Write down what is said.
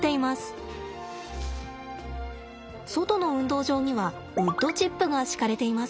外の運動場にはウッドチップが敷かれています。